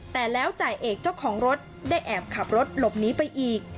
แต่แล้วจ่ายเอกเจ้าของรถได้แอบขับรถหลบหนีไปอีก